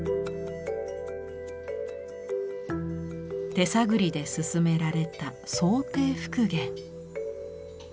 手探りで進められた想定復元。